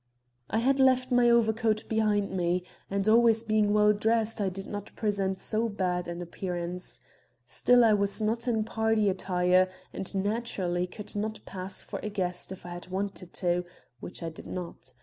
I had left my overcoat behind me, and always being well dressed, I did not present so bad an appearance. Still I was not in party attire and naturally could not pass for a guest if I had wanted to, which I did not.